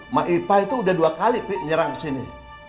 mak ipa itu udah dua kali pi nyerang kesini